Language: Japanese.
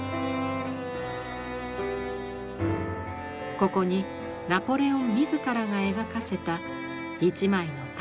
ここにナポレオン自らが描かせた一枚の大作があります。